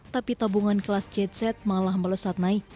tapi tabungan kelas cz malah melesat naik